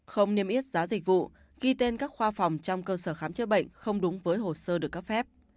không niêm yết giá dịch vụ ghi tên các khoa phòng trong cơ sở khám chữa bệnh không đúng với hồ sơ được cấp phép